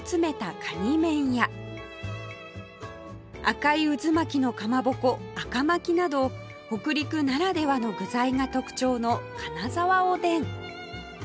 赤い渦巻きのかまぼこ赤巻など北陸ならではの具材が特徴の金沢おでん